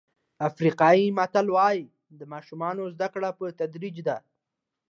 افریقایي متل وایي د ماشومانو زده کړه په تدریج ده.